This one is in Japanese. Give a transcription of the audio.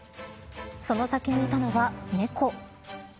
その先にいたのは猫。